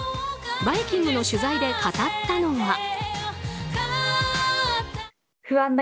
「バイキング」の取材で語ったのは。